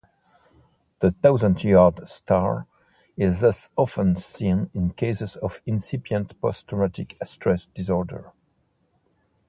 The thousand-yard stare is thus often seen in cases of incipient post-traumatic stress disorder.